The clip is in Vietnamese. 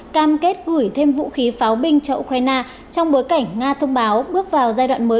cam kết gửi thêm vũ khí pháo binh cho ukraine trong bối cảnh nga thông báo bước vào giai đoạn mới